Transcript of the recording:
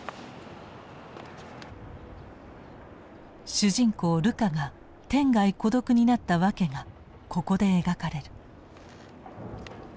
主人公ルカが天涯孤独になったわけがここで描かれる。